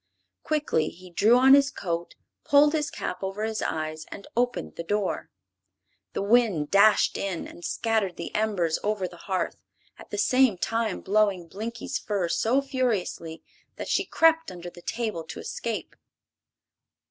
Quickly he drew on his coat, pulled his cap over his eyes and opened the door. The wind dashed in and scattered the embers over the hearth, at the same time blowing Blinkie's fur so furiously that she crept under the table to escape.